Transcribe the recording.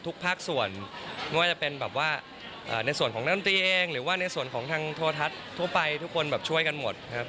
ทุกภาคส่วนไม่ว่าจะเป็นแบบว่าในส่วนของนักดนตรีเองหรือว่าในส่วนของทางโทรทัศน์ทั่วไปทุกคนแบบช่วยกันหมดครับ